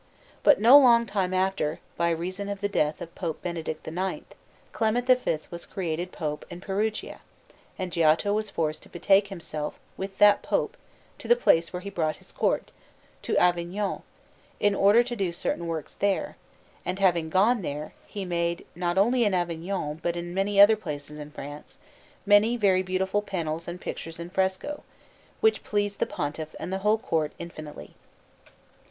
But no long time after, by reason of the death of Pope Benedict IX, Clement V was created Pope in Perugia, and Giotto was forced to betake himself with that Pope to the place where he brought his Court, to Avignon, in order to do certain works there; and having gone there, he made, not only in Avignon but in many other places in France, many very beautiful panels and pictures in fresco, which pleased the Pontiff and the whole Court infinitely.